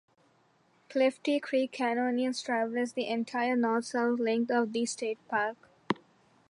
Clifty Creek Canyon traverses the entire north-south length of the state park.